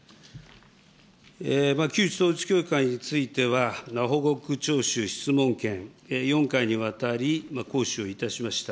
旧統一教会については、報告徴収質問権、４回にわたり行使をいたしました。